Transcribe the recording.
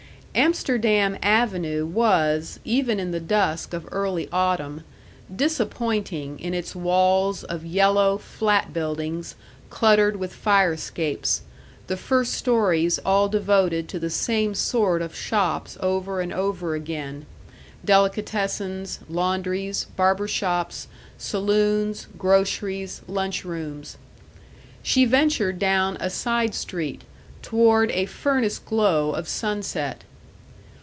Amsterdam Avenue was, even in the dusk of early autumn, disappointing in its walls of yellow flat buildings cluttered with fire escapes, the first stories all devoted to the same sort of shops over and over again delicatessens, laundries, barber shops, saloons, groceries, lunch rooms. She ventured down a side street, toward a furnace glow of sunset.